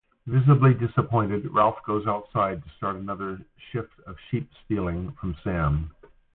Visibly disappointed, Ralph goes outside to start another shift of sheep stealing from Sam.